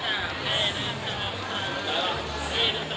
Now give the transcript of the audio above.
สวัสดีครับ